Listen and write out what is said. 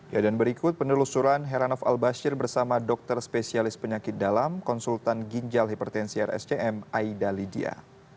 ya dan berikut penelusuran heranov albasir bersama dokter spesialis penyakit dalam konsultan ginjal hipertensi rsjm aida lidia